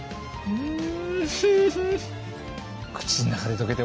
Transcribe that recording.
うん！